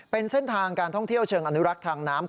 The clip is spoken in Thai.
เป็นเส้นทางการท่องเที่ยวเชิงอนุรักษ์ทางน้ำ